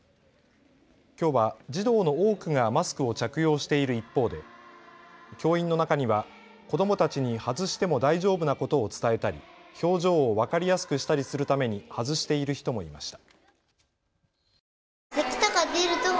きょうは児童の多くがマスクを着用している一方で教員の中には子どもたちに外しても大丈夫なことを伝えたり表情を分かりやすくしたりするために外している人もいました。